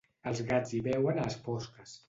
Els gats hi veuen a les fosques.